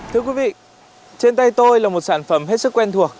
thưa quý vị trên tay tôi là một sản phẩm hết sức quen thuộc